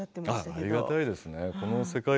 ありがたいことですね。